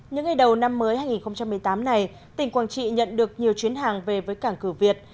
những ngày đầu năm mới hai nghìn một mươi tám này tỉnh quảng trị nhận được nhiều chuyến hàng về với cảng cửa việt